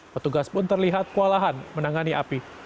petugas pun terlihat kualahan menangani api